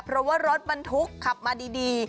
เพราะว่ารถบรรทุกขับมาดี